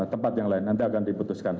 tempat yang lain nanti akan diputuskan